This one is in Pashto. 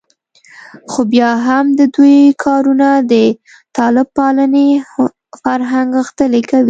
خو بیا هم د دوی کارونه د طالب پالنې فرهنګ غښتلی کوي